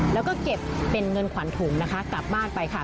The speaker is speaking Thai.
แล้วก็เก็บเป็นเงินขวัญถุงนะคะกลับบ้านไปค่ะ